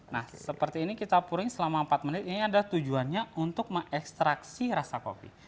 nah seperti ini kita puring selama empat menit ini ada tujuannya untuk mengekstraksi rasa kopi